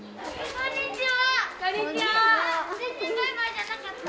こんにちは。